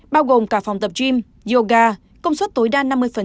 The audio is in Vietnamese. bao gồm cả phòng tập gym yoga công suất tối đa năm mươi